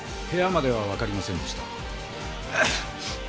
部屋までは分かりませんでした。